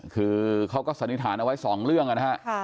คือเขาก็สันนิษฐานเอาไว้๒เรื่องนะฮะ